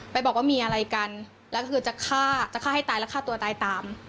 ไปบอกว่ามีอะไรกันแล้วก็คือจะฆ่าจะฆ่าให้ตายแล้วฆ่าตัวตายตาม